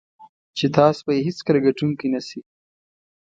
چې تاسو به یې هېڅکله ګټونکی نه شئ.